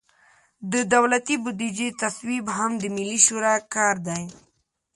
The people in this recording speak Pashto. د دولتي بودیجې تصویب هم د ملي شورا کار دی.